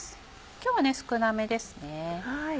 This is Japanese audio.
今日は少なめですね。